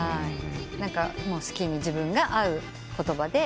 好きに自分が合う言葉で。